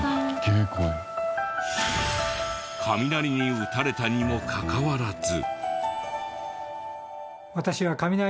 雷に打たれたにもかかわらず。